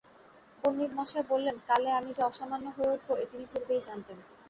পণ্ডিতমশায় বললেন, কালে আমি যে অসামান্য হয়ে উঠব, এ তিনি পূর্বেই জানতেন।